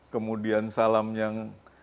kemudian salam yang